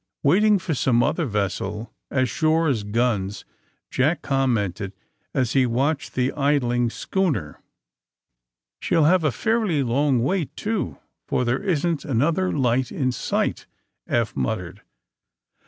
''Waiting for some other vessel, as sure as guns !'' Jack commented, as he watched the id ling schooner. '' She '11 have a fairly long wait, too, for there isn't another light in sight," Eph muttered.